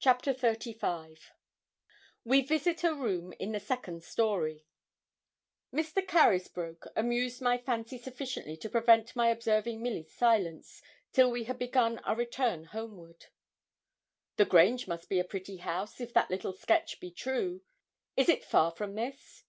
CHAPTER XXXV WE VISIT A ROOM IN THE SECOND STOREY Mr. Carysbroke amused my fancy sufficiently to prevent my observing Milly's silence, till we had begun our return homeward. 'The Grange must be a pretty house, if that little sketch be true; is it far from this?'